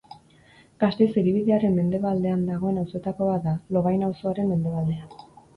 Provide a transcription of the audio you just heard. Gasteiz hiribidearen mendebaldean dagoen auzoetako bat da, Lovaina auzoaren mendebaldean.